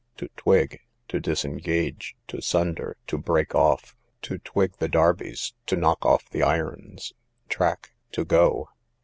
To twig, to disengage, to sunder, to break off. To twig the darbies, to knock of the irons. Track, to go.